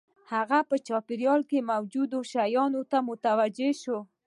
هغه په چاپېريال کې موجودو شیانو ته متوجه شو